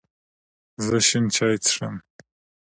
زه شین چای څښم